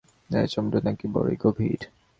এ সমুদ্র নাকি বড়ই গভীর।